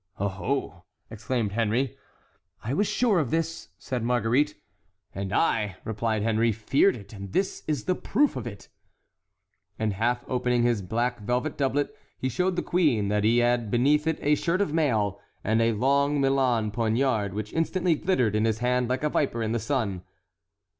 "Oho!" exclaimed Henry. "I was sure of this," said Marguerite. "And I," replied Henry, "feared it, and this is the proof of it." And half opening his black velvet doublet, he showed the queen that he had beneath it a shirt of mail, and a long Milan poniard, which instantly glittered in his hand like a viper in the sun.